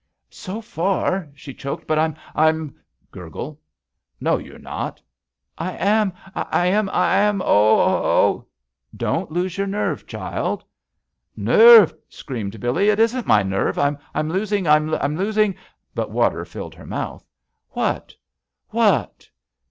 "So far"— she choked, "but Tm— rm— " Gurgle. "No, you're not 1" "I ami— I am!— I am I— Oh I— Oh !—" "Don't lose your nerve, child!" "Nerve!" screamed Billee, "it isn't my nerve! — I'm losing! — I'm losing —" But water filled her mouth. "What? What?"